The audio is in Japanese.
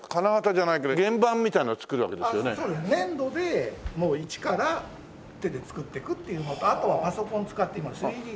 粘土でもう一から手で作ってくっていうのとあとはパソコン使って今３Ｄで。